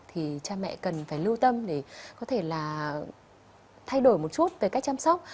thì cha mẹ cần phải lưu tâm để có thể là thay đổi một chút về cách chăm sóc